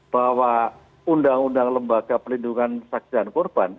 bahwa undang undang lembaga pelindungan saksian korban